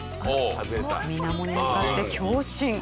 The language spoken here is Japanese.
水面に向かって強振。